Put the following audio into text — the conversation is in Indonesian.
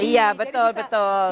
iya betul betul